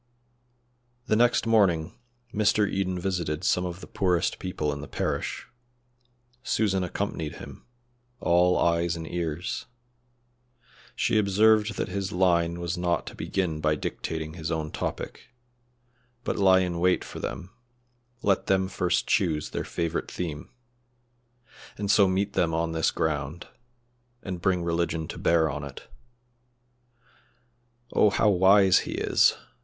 The next morning Mr. Eden visited some of the poorest people in the parish. Susan accompanied him, all eyes and ears. She observed that his line was not to begin by dictating his own topic, but lie in wait for them; let them first choose their favorite theme, and so meet them on this ground, and bring religion to bear on it. "Oh, how wise he is!"